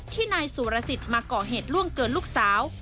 นายสุรสิทธิ์มาก่อเหตุล่วงเกินลูกสาว